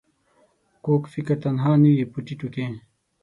کوږ فکر تنها نه وي په ټيټو کې